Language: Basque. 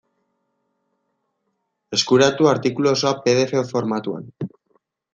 Eskuratu artikulu osoa pe de efe formatuan.